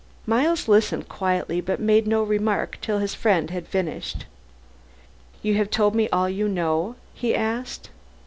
Miles listened quietly, but made no remark till his friend finished. "You have told me all you know?" he asked.